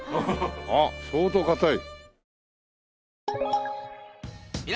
あっ相当硬い。